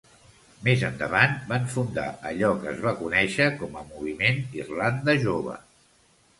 Més endavant, van fundar allò que es va conèixer com a moviment Irlanda Jove.